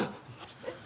えっ？